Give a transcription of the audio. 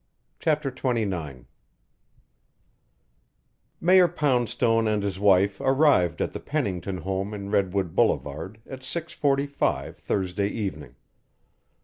CHAPTER XXIX Mayor Poundstone and his wife arrived at the Pennington home in Redwood Boulevard at six forty five Thursday evening.